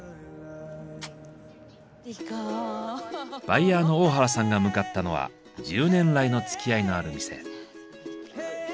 バイヤーの大原さんが向かったのは１０年来のつきあいのある店。